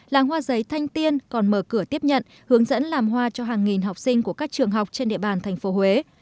làng hoa giấy thanh tiên còn mở cửa tiếp nhận hướng dẫn làm hoa cho hàng nghìn học sinh của các trường học trên địa bàn tp huế